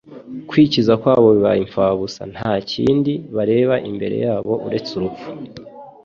Kwikiza kwabo bibaye imfabusa, nta kindi bareba imbere yabo uretse urupfu,